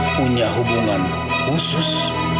punya hubungan khusus